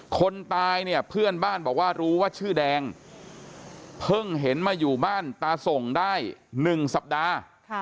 คนตายเนี่ยเพื่อนบ้านบอกว่ารู้ว่าชื่อแดงเพิ่งเห็นมาอยู่บ้านตาส่งได้๑สัปดาห์